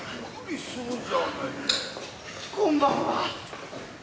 こんばんは。